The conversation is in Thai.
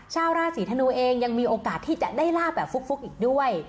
ชาวราศีธนูเองยังมีโอกาสที่จะได้ลาบแบบฟุกอีกด้วย